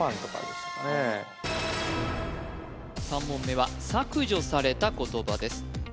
３問目は削除された言葉です